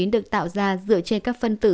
được tạo ra dựa trên các phân tử